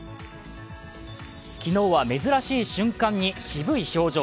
昨日は珍しい瞬間に、渋い表情。